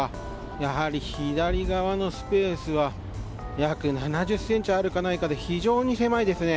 やはり左側のスペースは約７０ｃｍあるかないか非常に狭いですね。